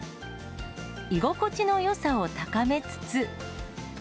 居心地のよさを高めつつ。